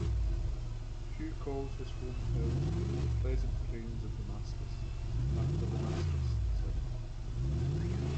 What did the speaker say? Hughes called his town "The Pleasant Plains of Damascus" after Damascus, Syria.